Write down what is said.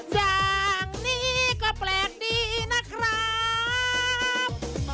อย่างนี้ก็แปลกดีนะครับ